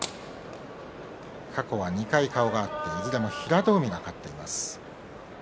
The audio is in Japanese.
過去２回、顔が合っていずれも平戸海が勝っています。